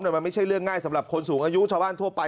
มันไม่ใช่เรื่องง่ายสำหรับคนสูงอายุชาวบ้านทั่วไป